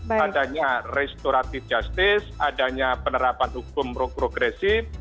adanya restoratif justice adanya penerapan hukum progresif